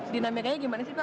dinamikanya gimana sih pak